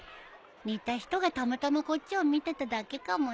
似た人がたまたまこっちを見てただけかもね。